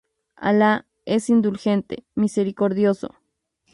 Alá es indulgente, misericordioso.